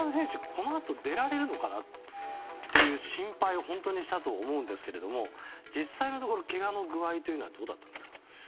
このあと出られるのかな？っていう心配をしたと思うんですけれども実際のところ、けがの具合というのはどうだったんですか？